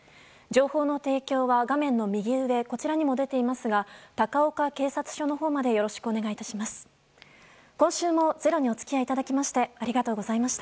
情報の提供は画面右上にも出ていますが高岡警察署のほうまでよろしくお願いいたします。